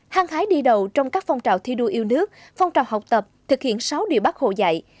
hăng hái đi đầu trong các phong trào thi đua yêu nước phong trào học tập thực hiện sáu điều bác hồ dạy